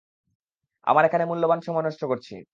আমরা এখানে মূল্যবান সময় নষ্ট করছি!